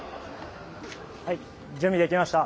はい準備できました。